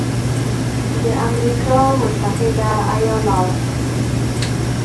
د امریکا متحده ایالات